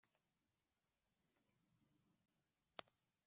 Sinzi impamvu gusa ndumva ntashaka ko ugenda